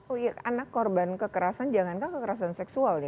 oh iya anak korban kekerasan jangankah kekerasan seksual ya